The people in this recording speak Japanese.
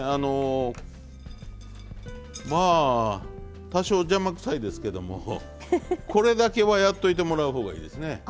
まあ多少邪魔くさいですけどもこれだけはやっといてもらう方がいいですね。